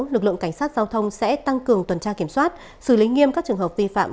lực lượng cảnh sát giao thông sẽ tăng cường tuần tra kiểm soát xử lý nghiêm các trường hợp vi phạm